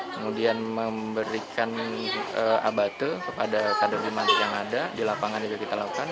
kemudian memberikan abate kepada kader bimantik yang ada di lapangan juga kita lakukan